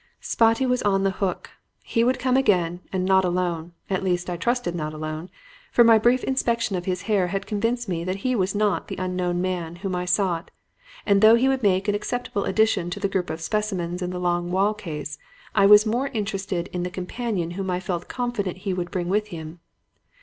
"Spotty was on the hook. He would come again, and not alone at least, I trusted not alone. For my brief inspection of his hair had convinced me that he was not the unknown man whom I sought; and, though he would make an acceptable addition to the group of specimens in the long wall case, I was more interested in the companion whom I felt confident he would bring with him.